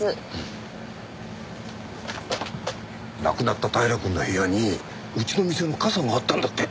亡くなった平くんの部屋にうちの店の傘があったんだって。